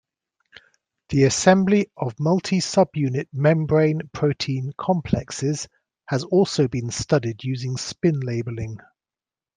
The assembly of multi-subunit membrane protein complexes has also been studied using spin labeling.